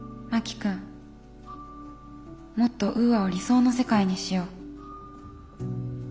もっとウーアを理想の世界にしよう。